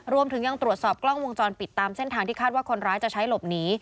รวมถึงยังตรวจสอบกล้องวงจรปิดตามเส้นทางที่คาดว่าคนร้ายจะใช้หลบหนี